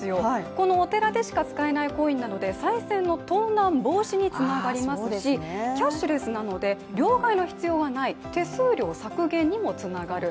このお寺でしか使えないコインなのでさい銭の盗難防止につながりますしキャッシュレスなので両替の必要がない、手数料削減にもつながる。